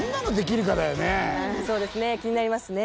そうですね気になりますね。